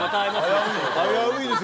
危ういですよ。